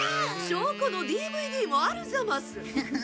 証拠のＤＶＤもあるざます。